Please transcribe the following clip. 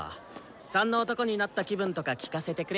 「３」の男になった気分とか聞かせてくれ。